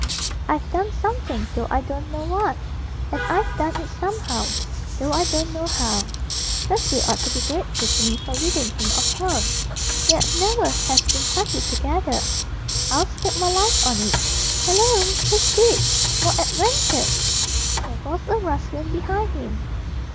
I've done something, though I don't know what. And I've done it somehow, though I don't know how. Cecil ought to be grateful to me for ridding him of her. They'd never have been happy together, I'll stake my life on it. Hallo! Who's this? More adventures!" There was a rustling behind him.